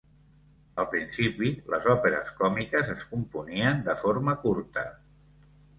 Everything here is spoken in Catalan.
Al principi, les òperes còmiques es componien de forma curta.